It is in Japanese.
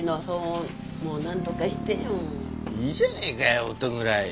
いいじゃねえかよ音ぐらい。